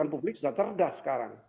publik sudah cerdas sekarang